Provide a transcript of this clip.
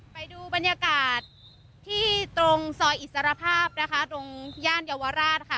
ไปดูบรรยากาศที่ตรงซอยอิสรภาพนะคะตรงย่านเยาวราชค่ะ